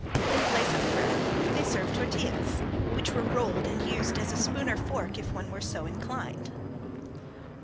In place of bread they served tortillas, which were rolled and used as a spoon or fork if one were so inclined.